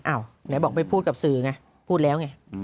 อ้าวเดี๋ยวบอกไปพูดกับสื่อไงพูดแล้วไง